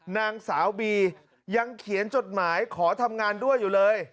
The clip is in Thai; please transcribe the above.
นางสาวบียังเขียนจดหมายขอทำงานด้วยอยู่เลย